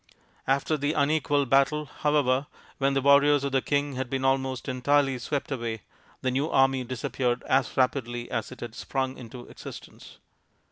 After the unequal battle, however, when the warriors of the king had been almost entirely swept away, the new army disappeared as rapidly as it had sprung into existence.